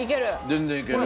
全然いける。